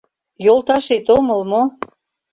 Йолташет омыл мо?